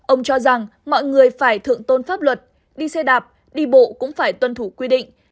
ông cho rằng mọi người phải thượng tôn pháp luật đi xe đạp đi bộ cũng phải tuân thủ quy định